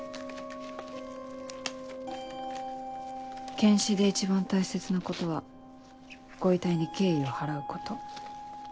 検視で一番大切なことはご遺体に敬意を払うこと。